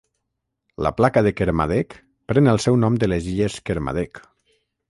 La placa de Kermadec pren el seu nom de les Illes Kermadec.